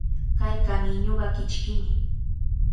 Kay kamiñuqa kichkimi.